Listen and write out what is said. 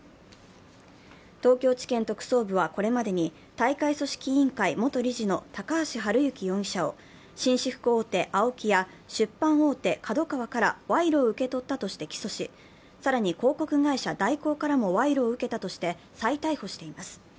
東京地検特捜部はこれまでに大会組織委員会元理事の高橋治之容疑者を紳士服大手ＡＯＫＩや出版大手・ＫＡＤＯＫＡＷＡから賄賂を受け取ったとして起訴し、更に広告会社、大広からも賄賂を受けたとして再逮捕しています。